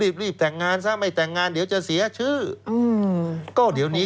ผมหนุ่มก็คงสระดุ้งนะทุกวันนี้